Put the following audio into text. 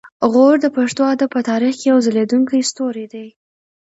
غور د پښتو ادب په تاریخ کې یو ځلیدونکی ستوری دی